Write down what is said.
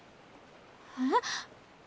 えっ？